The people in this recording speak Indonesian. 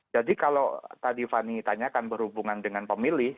jadi kalau tadi fanny tanyakan berhubungan dengan pemilih